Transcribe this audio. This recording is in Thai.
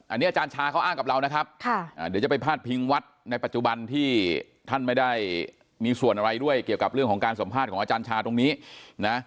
อันนี้อาจารย์ชาเขาอ้างกับเรานะครับเดี๋ยวจะไปพาดพิงวัดในปัจจุบันที่ท่านไม่ได้มีส่วนอะไรด้วยเกี่ยวกับเรื่องของการสัมภาษณ์ของอาจารย์ชาตรงนี้นะ